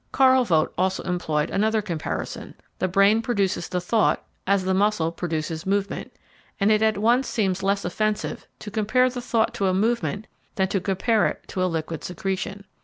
Karl Vogt also employed another comparison: the brain produces the thought as the muscle produces movement, and it at once seems less offensive to compare the thought to a movement than to compare it to a liquid secretion.